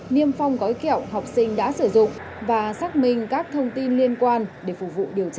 niêm phong gói kẹo học sinh đã sử dụng và xác minh các thông tin liên quan để phục vụ điều tra